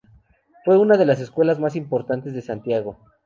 Fue una de las escuelas más importantes de Santiago.